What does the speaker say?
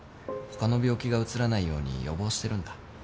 他の病気がうつらないように予防してるんだ。